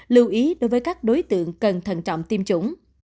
lưu ý đối với các đối tượng cần thận trọng tiêm chủng